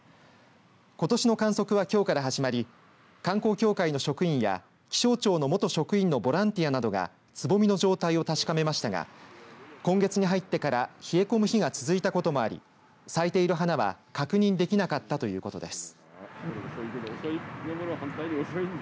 ことしの観測はきょうから始まり観光協会の職員や気象庁の元職員のボランティアなどがつぼみの状態を確かめましたが今月に入ってから冷え込む日が続いたこともあり咲いている花は確認できなかったということです。